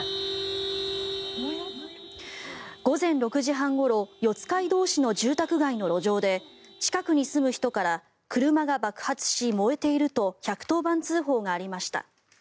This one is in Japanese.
午前６時半ごろ四街道市の住宅街の路上で近くに住む人から車が爆発し、燃えていると１１０番通報がありました。